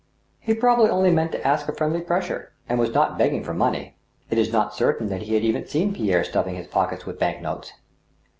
He probably only meant to ask a friendly pressure, and was not begging for money. It is not certain that he had even seen Pierre stuffing his pockets with bank notes.